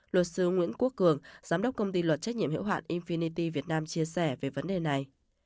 luật sư nguyễn quốc cường giám đốc công ty luật trách nhiệm hiệu hạn infinnity việt nam chia sẻ về vấn đề này